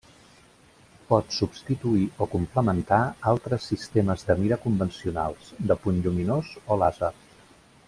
Pot substituir o complementar altres sistemes de mira convencionals, de punt lluminós o làser.